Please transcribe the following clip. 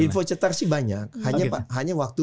info cetar sih banyak hanya waktu